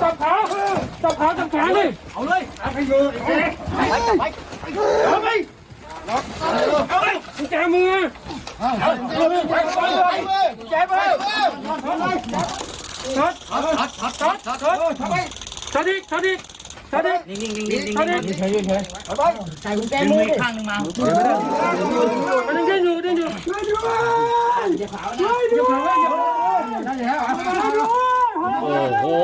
จับเผาจับเผาจับเผาจับเผาจับเผาจับเผาจับเผาจับเผาจับเผาจับเผาจับเผาจับเผาจับเผาจับเผาจับเผาจับเผาจับเผาจับเผาจับเผาจับเผาจับเผาจับเผาจับเผาจับเผาจับเผาจับเผาจับเผาจับเผาจับเผาจับเผาจับเผาจับเผา